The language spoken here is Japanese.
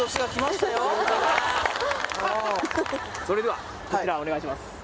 それではこちらお願いします